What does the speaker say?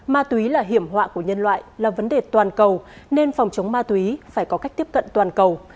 ma túy là hiểm họa của nhân loại là vấn đề toàn cầu nên phòng chống ma túy phải có cách tiếp cận toàn cầu